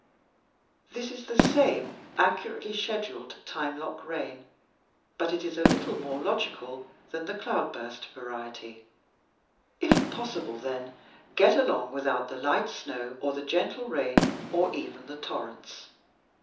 This is the same accurately scheduled, time lock rain, but it is a little more logical than the cloudburst variety. If possible, then, get along without the light snow or the gentle rain or even the torrents.